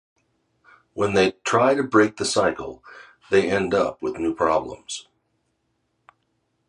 When they try to break the cycle they end up with new problems.